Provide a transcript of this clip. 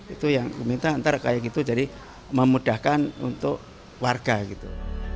itu yang diminta ntar kayak gitu jadi memudahkan untuk warga gitu